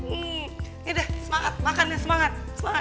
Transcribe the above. ya udah semangat makan deh semangat